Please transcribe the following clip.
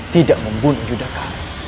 tidak membunuh yudhaka